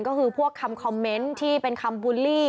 ก็คือพวกคำคอมเมนต์ที่เป็นคำบูลลี่